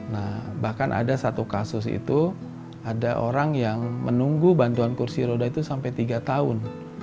nah bahkan ada satu kasus itu ada orang yang menunggu bantuan kursi roda itu sampai tiga tahun